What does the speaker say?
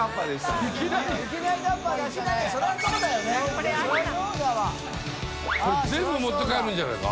これ全部持って帰るんじゃないか？